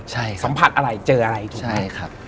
สัมผัสอะไรเจออะไร